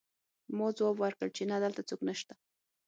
ما ځواب ورکړ چې نه دلته څوک نشته